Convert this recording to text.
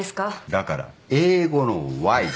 だから英語のＹ。